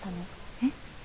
えっ？